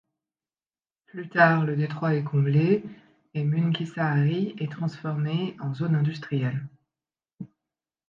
Plus tard, le détroit est comblé et Munkkisaari est transformée en zone industrielle.